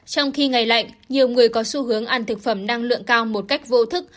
trong khi ngày lạnh nhiều người có xu hướng ăn thực phẩm năng lượng cao một cách vô thức